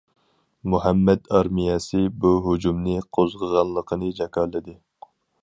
« مۇھەممەد ئارمىيەسى» بۇ ھۇجۇمنى قوزغىغانلىقىنى جاكارلىدى.